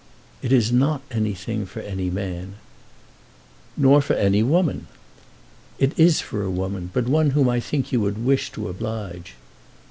"It is not anything for any man." "Nor for any woman." "It is for a woman, but one whom I think you would wish to oblige."